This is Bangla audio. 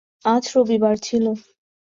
আজ রবিবার ছিল।